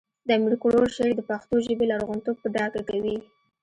د امیر کروړ شعر د پښتو ژبې لرغونتوب په ډاګه کوي